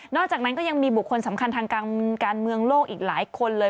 อกจากนั้นก็ยังมีบุคคลสำคัญทางการเมืองโลกอีกหลายคนเลย